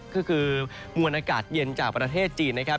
ก็คือมวลอากาศเย็นจากประเทศจีนนะครับ